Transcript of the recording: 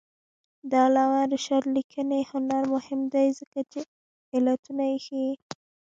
د علامه رشاد لیکنی هنر مهم دی ځکه چې علتونه ښيي.